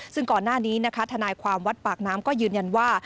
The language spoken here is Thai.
ซึ่งก่อนหน้านี้นะคะทนายความวัดปากน้ำก็ยืนยันว่า